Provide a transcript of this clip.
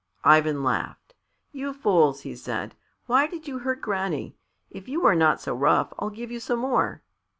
Ivan laughed. "You fools!" he said. "Why did you hurt Granny? If you are not so rough I'll give you some more."